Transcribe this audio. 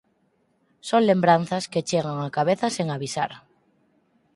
Son lembranzas que chegan á cabeza sen avisar.